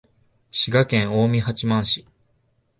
滋賀県近江八幡市